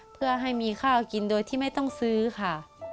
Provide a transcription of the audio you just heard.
เพื่อให้มีข้าวกินโดยที่ไม่ต้องซื้อค่ะ